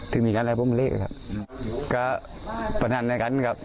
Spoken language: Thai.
ถึงมีการอะไรพุ่มเล่กครับก็ประทานแล้วกันครับ